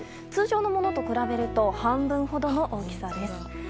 通常のものと比べると半分ほどの大きさです。